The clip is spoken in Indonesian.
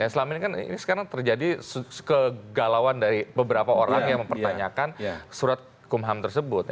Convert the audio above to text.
selama ini kan sekarang terjadi kegalauan dari beberapa orang yang mempertanyakan surat kumham tersebut